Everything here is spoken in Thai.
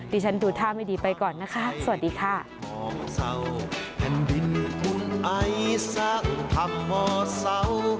ที่ฉันดูท่าไม่ดีไปก่อนนะคะสวัสดีค่ะ